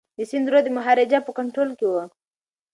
د سند رود د مهاراجا په کنټرول کي و.